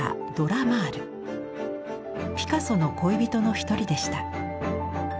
ピカソの恋人の一人でした。